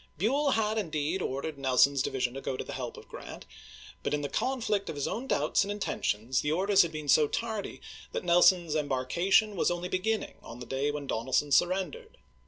Buell had, indeed, ordered Nelson's division to go to the help of Gi rant ; but in the conflict of his own doubts and intentions the orders had been so tardy that Nelson's em barkation was only beginning on the day when Donelson surrendered.